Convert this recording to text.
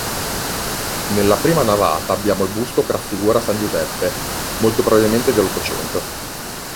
Nella prima navata abbiamo il busto che raffigura San Giuseppe, molto probabilmente dell'Ottocento.